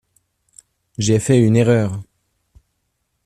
J’ai fait une erreur.